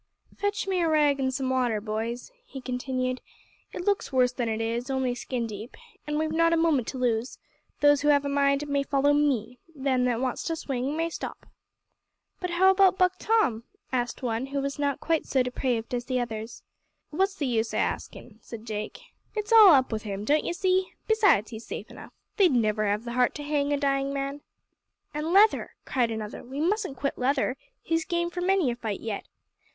"Fetch me a rag an' some water, boys," he continued. "It looks worse than it is only skin deep. And we've not a moment to lose. Those who have a mind may follow me. Them that wants to swing may stop." "But how about Buck Tom?" asked one who was not quite so depraved as the others. "What's the use o' askin'?" said Jake. "It's all up with him, don't you see? Besides, he's safe enough. They'd never have the heart to hang a dying man." "An' Leather!" cried another. "We mustn't quit Leather. He's game for many a fight yet.